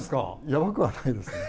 やばくはないですね。